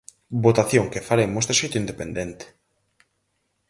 Votación que faremos de xeito independente.